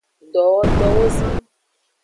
Dowotowozan.